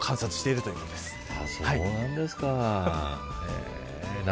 そうなんですか。